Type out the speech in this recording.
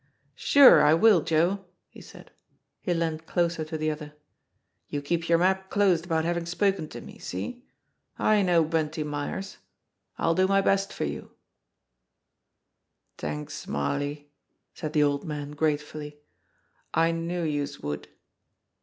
"Sure, I will, Joe!" he said. He leaned closer to the other. "You keep your map closed about having spoken to me see? I know Bunty Myers. I'll do my best for you/' "T'anks, Smarly," said the old man gratefully. "I knew vouse would."